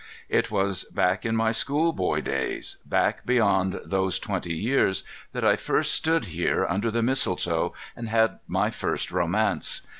It was back in my schoolboy days, back beyond those twenty years, that I first stood here under the mistletoe and had my first romance.